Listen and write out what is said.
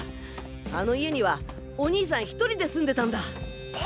あの家にはお兄さん１人で住んでたんだ。え？